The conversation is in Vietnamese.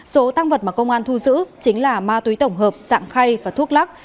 số tăng vật mà công an thu giữ chính là ma túy tổng hợp dạng khay và thuốc lắc